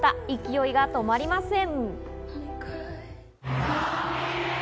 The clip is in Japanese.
勢いが止まりません。